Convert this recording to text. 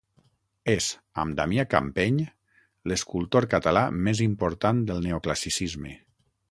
És, amb Damià Campeny, l'escultor català més important del Neoclassicisme.